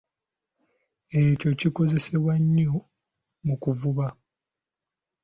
Ekyo kikozesebwa nnyo mu kuvuba.